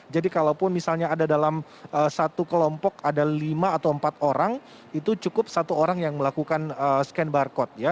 jadi kalaupun misalnya ada dalam satu kelompok ada lima atau empat orang itu cukup satu orang yang melakukan scan barcode ya